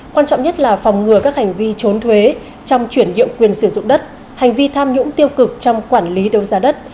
quan trọng nhất là phòng ngừa các hành vi trốn thuế trong chuyển nhượng quyền sử dụng đất hành vi tham nhũng tiêu cực trong quản lý đấu giá đất